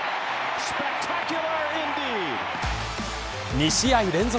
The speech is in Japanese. ２試合連続。